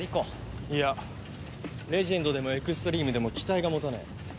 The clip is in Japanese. いやレジェンドでもエクストリームでも機体が持たねえ。